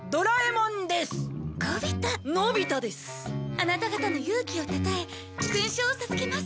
アナタ方の勇気をたたえ勲章を授けます。